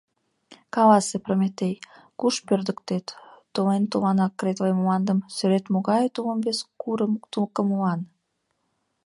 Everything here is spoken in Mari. Каласе, Прометей, Куш пӧрдыктет, тулен тулан акретле Мландым, Сӧрет могае тулым вес курым тукымлан?